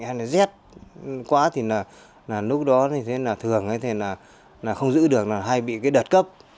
hay là rét quá thì là lúc đó thì thường thì là không giữ được hay bị cái đợt cấp